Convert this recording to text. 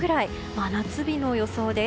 真夏日の予想です。